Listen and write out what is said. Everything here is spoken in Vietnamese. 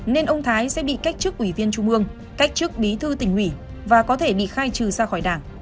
nên ông thái sẽ bị cách trước ủy viên trung ương cách trước bí thư tỉnh ủy và có thể bị khai trừ ra khỏi đảng